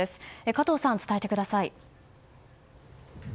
加藤さん、伝えてください。